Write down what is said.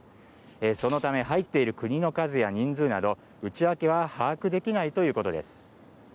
そのため入っている国の数や人数など内訳は把握できないということです。